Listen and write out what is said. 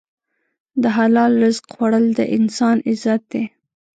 د حلال رزق خوړل د انسان عزت دی.